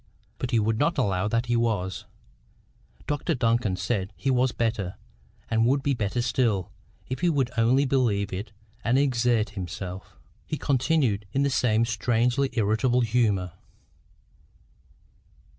But he would not allow that he was. Dr Duncan said he was better, and would be better still, if he would only believe it and exert himself. He continued in the same strangely irritable humour.